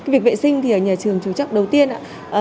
việc vệ sinh thì ở nhà trường chú trọng đầu tiên ạ